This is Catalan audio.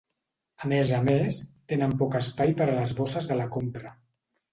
A més a més, tenen poc espai per a les bosses de la compra.